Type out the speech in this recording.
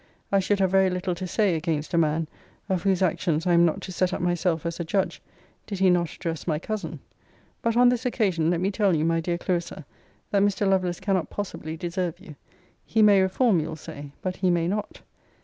I should have very little to say against a man, of whose actions I am not to set up myself as a judge, did he not address my cousin. But, on this occasion, let me tell you, my dear Clarissa, that Mr. Lovelace cannot possibly deserve you. He may reform, you'll say: but he may not.